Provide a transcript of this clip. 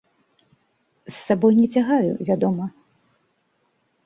З сабой не цягаю, вядома.